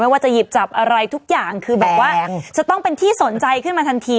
ว่าจะหยิบจับอะไรทุกอย่างคือแบบว่าจะต้องเป็นที่สนใจขึ้นมาทันที